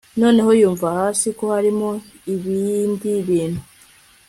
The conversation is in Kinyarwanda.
Noneho yumva hasi ko harimo ibindi bintu